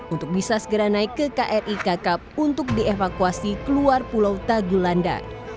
untuk bisa segera naik ke kri kakap untuk dievakuasi keluar pulau tagulanda